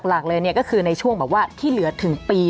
หลักเลยก็คือในช่วงแบบว่าที่เหลือถึงปี